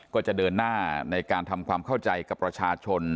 ก็จะเดินหน้าในการทำความเข้าใจกับประชาชน